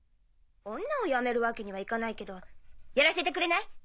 女をやめるわけにはいかないけど。やらせてくれない？